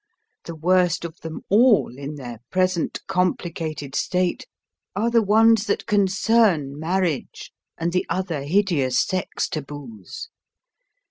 The worst of them all in their present complicated state are the ones that concern marriage and the other hideous sex taboos.